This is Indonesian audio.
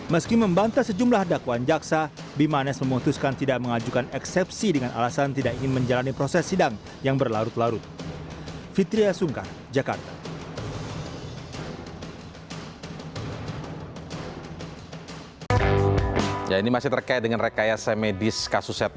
meski membantah sejumlah dakwaan jaksa bimanes memutuskan tidak mengajukan eksepsi dengan alasan tidak ingin menjalani proses sidang yang berlarut larut